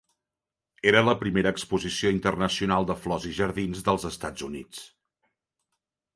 Era la primera exposició internacional de flors i jardins dels Estats Units.